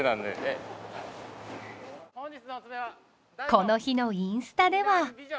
この日のインスタでは。